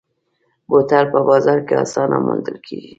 بوتل په بازار کې اسانه موندل کېږي.